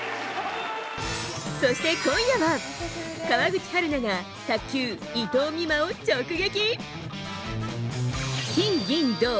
そして今夜は川口春奈が卓球、伊藤美誠を直撃。